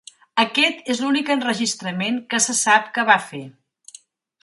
Aquest és l'únic enregistrament que se sap que va fer.